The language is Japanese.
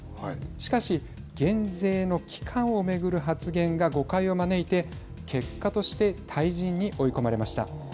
しかし減税の基幹を巡る発言が誤解を招いて、結果として退陣に追い込まれました。